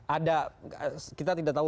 ada kita tidak tahu